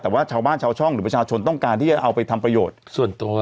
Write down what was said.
แต่ว่าชาวบ้านชาวช่องหรือประชาชนต้องการที่จะเอาไปทำประโยชน์ส่วนตัว